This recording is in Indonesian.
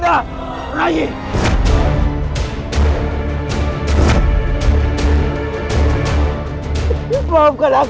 maafkan aku ibunda